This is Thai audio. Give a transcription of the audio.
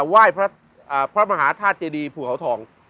ไหว้พระมหาธาตุเจดีภูเขาทอง